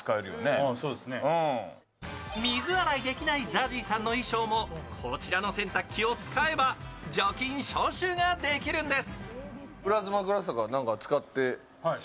水洗いできないＺＡＺＹさんの衣装もこちらの洗濯機を使えば除菌・消臭できるんです。